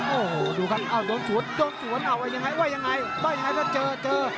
โอ้โหดูกันโดนสวนโดนสวนว่ายังไงว่ายังไงว่ายังไงว่าเจอเจอ